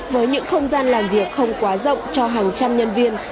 với những không gian làm việc không quá rộng cho hàng trăm nhân viên